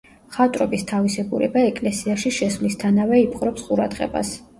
მხატვრობის თავისებურება ეკლესიაში შესვლისთანავე იპყრობს ყურადღებას.